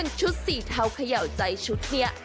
ชุดสีเทาเขย่าใจชุดนี้